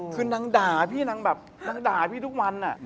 คือนางด่าพี่นางแบบนางด่าพี่ทุกวัน